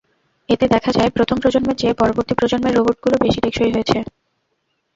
এতে দেখা যায় প্রথম প্রজন্মের চেয়ে পরবর্তী প্রজন্মের রোবটগুলো বেশি টেকসই হয়েছে।